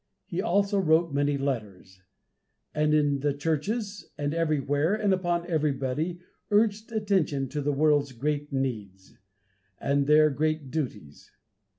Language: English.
He also wrote many letters; and in the churches, and everywhere, and upon everybody, urged attention to the world's great needs, and their great duties.